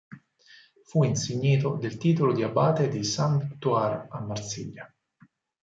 Fu insignito del titolo di abate di Saint-Victor a Marsiglia.